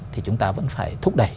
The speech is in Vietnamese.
thì chúng ta vẫn phải thúc đẩy